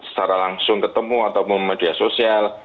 secara langsung ketemu atau memedia sosial